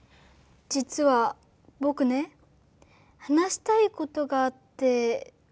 じつはぼくね話したいことがあって。